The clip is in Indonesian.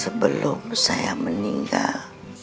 sebelum saya meninggal